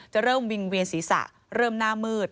เริ่มวิ่งเวียนศีรษะเริ่มหน้ามืด